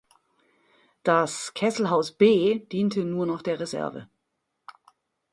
Das "Kesselhaus B" diente nur noch der Reserve.